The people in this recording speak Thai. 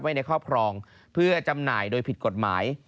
ในครอบครองเพื่อจำหน่ายโดยผิดกฎหมาย